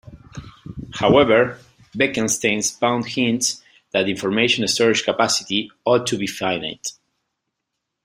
However, Bekenstein's bound hints that the information storage capacity ought to be finite.